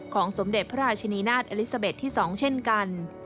สมเด็จพระราชนีนาฏอลิซาเบสที่๒เช่นกัน